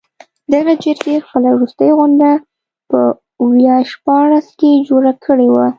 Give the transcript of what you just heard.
دغې جرګې خپله وروستۍ غونډه په ویا شپاړس کې جوړه کړې وه.